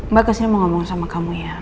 mbak kesini mau ngomong sama kamu ya